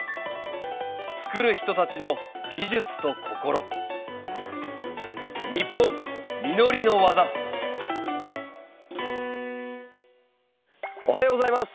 つくる人たちの技術と心おはようございます。